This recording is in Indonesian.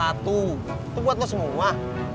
itu buat lo semua